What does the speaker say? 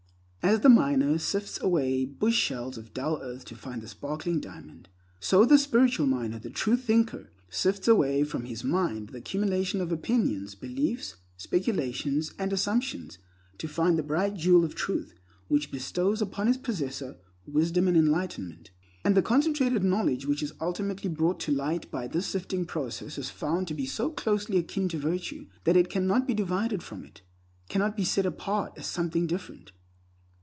As the miner sifts away bushels of dull earth to find the sparkling diamond, so the spiritual miner, the true thinker, sifts away from his mind the accumulation of opinions, beliefs, speculations, and assumptions to find the bright jewel of Truth which bestows upon its possessor wisdom and enlightenment. And the concentrated knowledge which is ultimately brought to light by this sifting process is found to be so closely akin to virtue that it cannot be divided from it, cannot be set apart as something different.